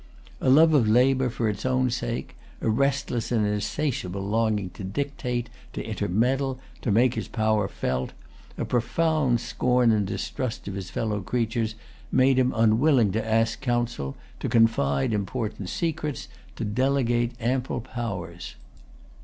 A love of labor for its own sake, a restless and insatiable longing to dictate, to intermeddle, to make his power felt, a profound scorn and distrust of his fellow creatures, made him unwilling to ask counsel, to confide important secrets, to delegate ample powers.